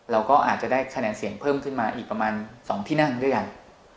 เราก็อาจจะได้คะแนนเสียงเพิ่มขึ้นมาอีกประมาณ๒ที่นั่งด้วยกัน